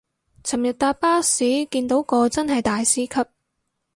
尋日搭巴士見到個真係大師級